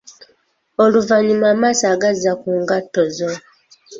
Oluvannyuma amaaso agazza ku ngatto zo.